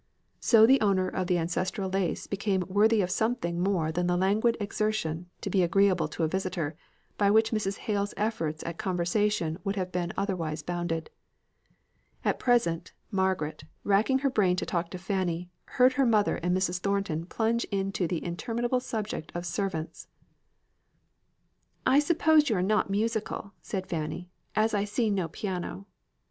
So the owner of the ancestral lace became worthy of something more than the languid exertion to be agreeable to a visitor, by which Mrs. Hale's efforts at conversation would have been otherwise bounded. And presently, Margaret, racking her brain to talk to Fanny, heard her mother and Mrs. Thornton plunge into the interminable subject of servants. "I suppose you are not musical," said Fanny, "as I see no piano."